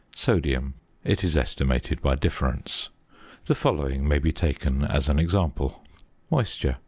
~Sodium.~ It is estimated by difference. The following may be taken as an example: Moisture 0.